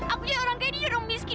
aku jadi orang kaya dia nyuruh miskin